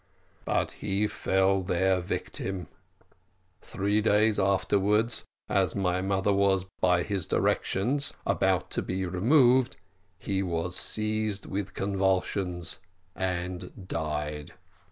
But he fell their victim; three days afterwards, as my mother was, by his directions, about to be removed, he was seized with convulsions and died.